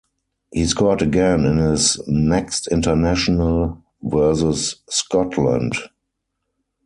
He scored again in his next international versus Scotland.